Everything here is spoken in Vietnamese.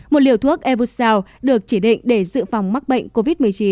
một liều thuốc evosal được chỉ định để dự phòng mắc bệnh covid một mươi chín